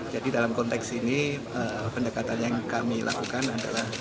jadi dalam konteks ini pendekatan yang kami lakukan adalah